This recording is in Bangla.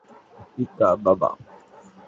ইকা - বাবা?